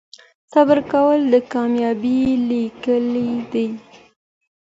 صبر کول د کامیابۍ کیلي ده.